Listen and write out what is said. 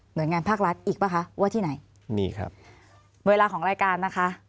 โดยงานภาครัฐอีกป่ะคะว่าที่ไหนมีครับเวลาของรายการนะคะ